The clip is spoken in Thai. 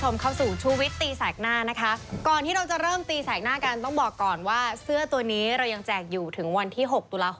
ไม่วงมือกับคนเลวหรอกผมไม่ต้องการ